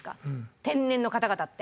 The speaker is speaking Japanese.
天然の方々って。